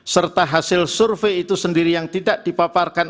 serta hasil survei itu sendiri yang tidak dipaparkan